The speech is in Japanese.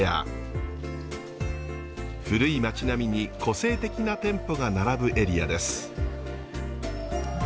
古い町並みに個性的な店舗が並ぶエリアです。